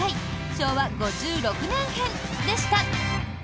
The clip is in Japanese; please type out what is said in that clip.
昭和５６年編でした。